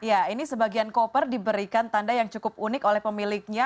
ya ini sebagian koper diberikan tanda yang cukup unik oleh pemiliknya